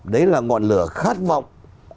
đấy là ngọn lửa khát vọng